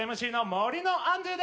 森のアンドゥー。